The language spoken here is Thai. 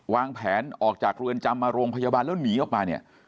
วางแผนออกจากเรือนจำมาโรงพยาบาลแล้วหนีออกมาเนี่ย